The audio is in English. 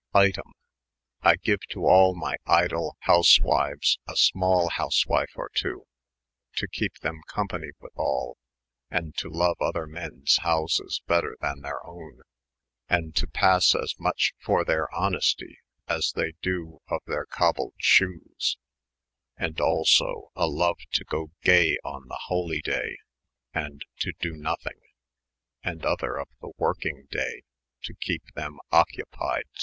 25 ^Item I gene to all my idle hoawyuea, a small ' l««f B 4 huswyfe or .ii. to kepe them company with aU, & to lone other mens houses better then their owne, and to passe as much for their honesty as thei do of their cobled shoes, and also, a lone to go gay on the holy day, and to do nothing ; and other of the worl^ng daye, to kepe them occopyed styU.